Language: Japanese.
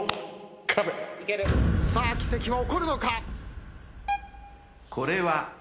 さあ奇跡は起こるのか。